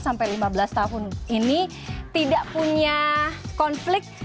sampai lima belas tahun ini tidak punya konflik